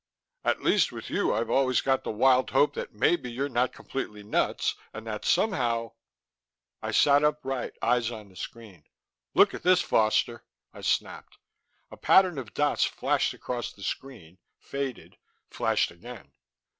At least with you I've always got the wild hope that maybe you're not completely nuts, and that somehow " I sat upright, eyes on the screen. "Look at this, Foster," I snapped. A pattern of dots flashed across the screen, faded, flashed again....